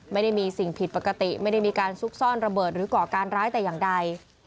ไม่ได้มีสิ่งผิดปกติไม่ได้มีการซุกซ่อนระเบิดหรือก่อการร้ายแต่อย่างใด